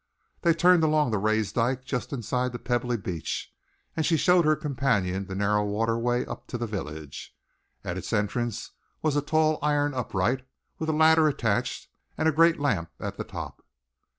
They turned along the raised dike just inside the pebbly beach, and she showed her companion the narrow waterway up to the village. At its entrance was a tall iron upright, with a ladder attached and a great lamp at the top.